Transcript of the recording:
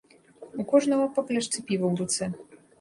У кожнага па пляшцы піва ў руцэ.